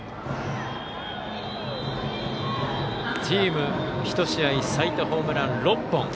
チーム１試合最多ホームラン６本。